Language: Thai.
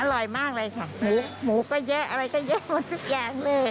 อร่อยมากเลยค่ะหมูหมูก็เยอะอะไรก็เยอะหมดทุกอย่างเลย